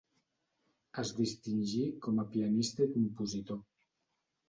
Es distingí com a pianista i compositor.